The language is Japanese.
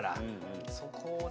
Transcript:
そこをね。